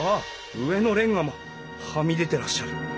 上のレンガもはみ出てらっしゃる。